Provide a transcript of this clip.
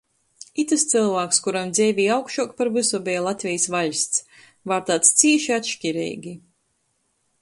Itys cylvāks, kuram dzeivē augšuok par vysu beja Latvejis vaļsts, vārtāts cīši atškireigi.